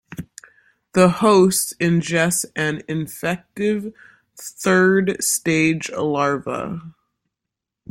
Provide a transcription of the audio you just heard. The host ingests an infective third stage larva.